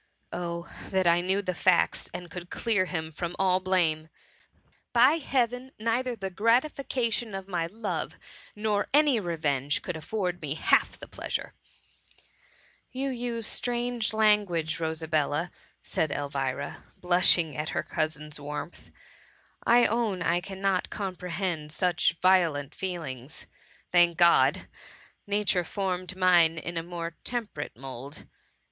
Oh, that I knew the facts, and could clear him from all blame ! By heaven ! neither the gratifica tion of my love, nor any revenge, could afford me half the pleasure !*'" You use strange language, Rosabella," said Elvira, blushing at her cousin's warmth ;'^ I own I cannot comprehend such violent feelings. Thank God! nature formed mine in a more temperate mould."